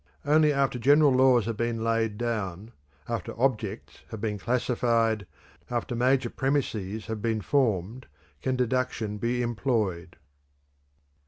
Only after general laws have been laid down, after objects have been classified, after major premises have been formed, can deduction be employed."